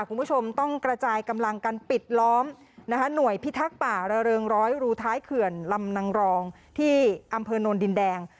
คุณผู้ชมต้องกระจายกำลังกันปิดล้อมหน่วยพิทักษ์ป่าระเริงร้อยรูท้ายเขื่อนลำนังรองที่อำเภอโนนดินแดง